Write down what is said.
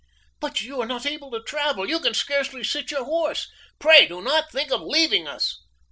"But you are not able to travel you can scarcely sit your horse. Pray do not think of leaving us."